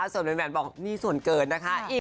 ส่วนแหวนบอกนี่ส่วนเกินนะคะ